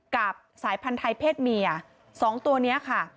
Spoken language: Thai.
กับสายพันธุ์ไทยเพศเมีย๒ตัวนี้ค่ะ